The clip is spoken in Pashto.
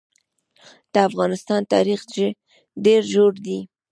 د افغانستان تاریخ ډېر ژور دی.